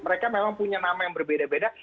mereka memang punya nama yang berbeda beda